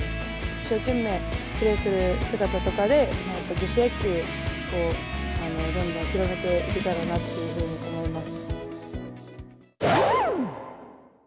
一生懸命プレーする姿とかで、女子野球をどんどん広めていけたらなっていうふうに思います。